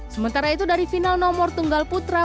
sementara itu dari final nomor tunggal putra